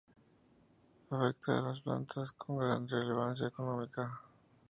Afecta a plantas con gran relevancia económica.